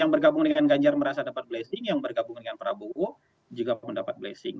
yang bergabung dengan ganjar merasa dapat blessing yang bergabung dengan prabowo juga mendapat blessing